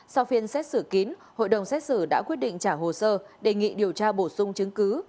sau phiên xét xử kín hội đồng xét xử đã quyết định trả hồ sơ đề nghị điều tra bổ sung chứng cứ